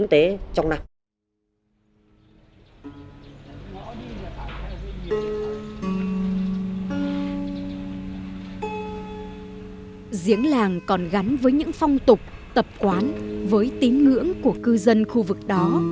giếng làng còn gắn với những phong tục tập quán với tín ngưỡng của cư dân khu vực đó